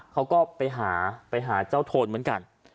เขาก็ไปหาไปหาเจ้าโทนเหมือนกัน